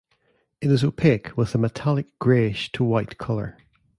It is opaque with a metallic grayish to white color.